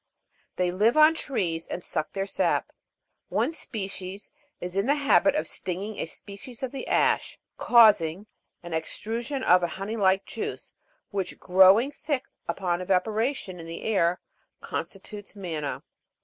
They live on trees and suck their sap ; one species is in Fig. 37. LOCUST. the habit of stinging a species of the ash, causing an exuda tion of a honey like' juice, which, growing thick by evaporation in the air, constitutes manna.